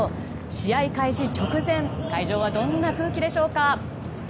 試合開始直前会場はどんな空気でしょうか。